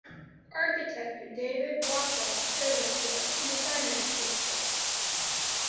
Architect David Rockwell served as production designer for the show.